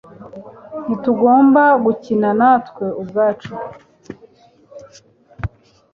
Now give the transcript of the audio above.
ntitugomba gukina natwe ubwacu.